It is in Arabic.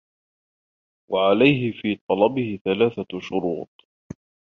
وَعَلَيْهِ فِي طَلَبِهِ ثَلَاثَةُ شُرُوطٍ